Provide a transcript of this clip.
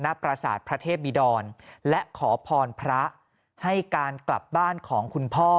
ประสาทพระเทพบิดรและขอพรพระให้การกลับบ้านของคุณพ่อ